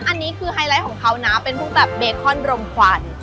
อันนี้คือไฮไลท์ของเขานะเป็นพวกแบบเบคอนรมควัน